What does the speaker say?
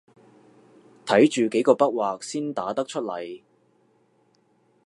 睇住幾個筆劃先打得出來